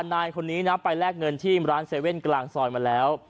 นายคนนี้นะไปแลกเงินที่ร้าน๗๑๑กลางซอยมาแล้ว